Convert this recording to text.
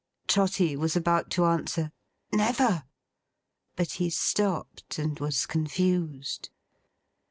Trotty was about to answer, 'Never!' But he stopped, and was confused.